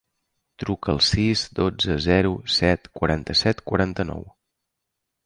Truca al sis, dotze, zero, set, quaranta-set, quaranta-nou.